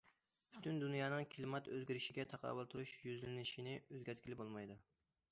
پۈتۈن دۇنيانىڭ كىلىمات ئۆزگىرىشىگە تاقابىل تۇرۇش يۈزلىنىشىنى ئۆزگەرتكىلى بولمايدۇ.